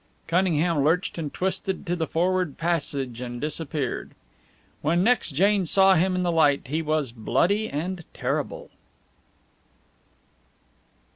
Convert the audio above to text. Cunningham lurched and twisted to the forward passage and disappeared. When next Jane saw him in the light he was bloody and terrible.